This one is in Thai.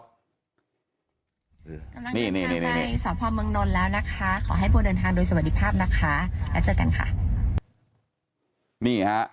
ขอให้ผู้เดินทางโดยสวัสดีครับแล้วเจอกันค่ะ